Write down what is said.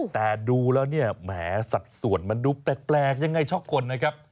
แต่ดูแล้วเนี่ยแหมสัดส่วนมันดูแปลกยังไงช็อกกลนะครับ